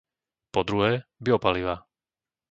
Po druhé, biopalivá.